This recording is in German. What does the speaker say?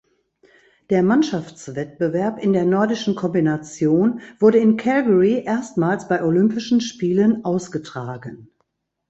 Der Mannschaftswettbewerb in der Nordischen Kombination wurde in Calgary erstmals bei Olympischen Spielen ausgetragen.